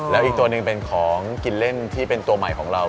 แล้วอีกตัวหนึ่งเป็นของกินเล่นที่เป็นตัวใหม่ของเรา